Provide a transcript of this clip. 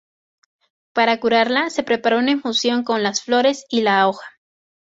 Para curarla se prepara una infusión con las flores y la hoja.